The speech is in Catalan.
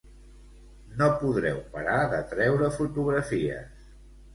No podreu parar de treure fotografies.